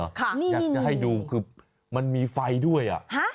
อยากจะให้ดูคือมันมีไฟด้วย